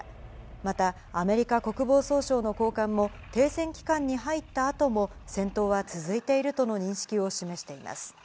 また、アメリカ国防総省の高官も停戦期間に入ったあとも、戦闘は続いているとの認識を示しています。